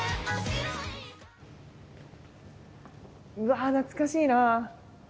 うわ懐かしいなあ。